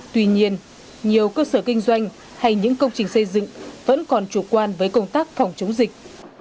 tuy nhiên nhiều cơ sở kinh doanh hay những công trình xây dựng vẫn còn chủ quan với công tác phòng chống dịch